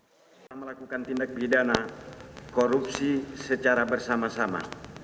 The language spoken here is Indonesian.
kita melakukan tindak pidana korupsi secara bersama sama